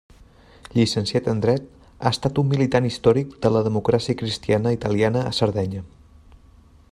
Llicenciat en dret, ha estat un militant històric de la Democràcia Cristiana Italiana a Sardenya.